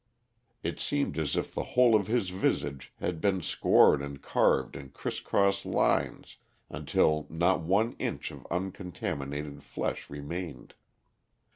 It seemed as if the whole of his visage had been scored and carved in criss cross lines until not one inch of uncontaminated flesh remained.